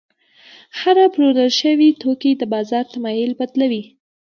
هره پلورل شوې توکي د بازار تمایل بدلوي.